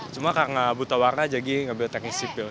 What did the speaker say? cuma karena buta warna jadi ngambil teknisi sipil